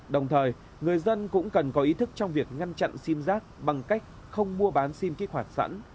đồng thời người dân cũng cần có ý thức trong việc ngăn chặn sim giác bằng cách không mua bán sim kích hoạt sẵn